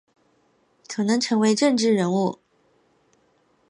可能会成为政治人物